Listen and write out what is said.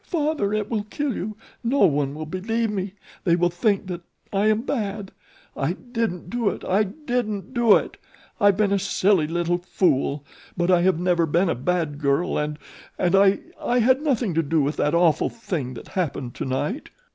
Father! It will kill you no one will believe me they will think that I am bad. I didn't do it! I didn't do it! I've been a silly little fool; but I have never been a bad girl and and I had nothing to do with that awful thing that happened to night."